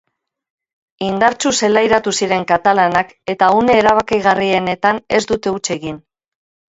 Indartsu zelairatu ziren katalanak eta une erabakigarrienetan ez dute huts egin.